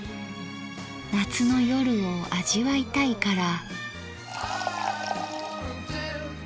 夏の夜を味わいたいから。